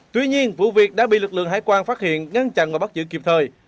tuy nhiên vụ việc đã bị lực lượng hải quan phát hiện ngăn chặn và bắt giữ kịp thời